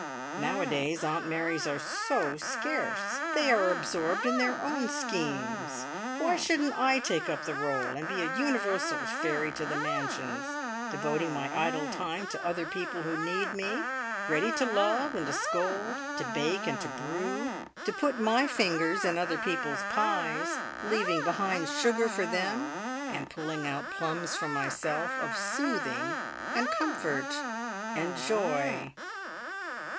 Nowadays Aunt Marys are so scarce. They are absorbed in their own schemes. Why shouldn't I take up the role, and be a universal fairy to the mansions devoting my idle time to other people who need me, ready to love and to scold, to bake and to brew, to put my fingers in other people's pies, leaving behind sugar for them, and pulling out plums for myself of soothing, and comfort, and joy!"